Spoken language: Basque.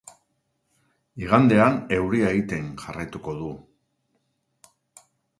Igandean euria egiten jarraituko du.